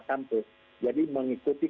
kampus jadi mengikuti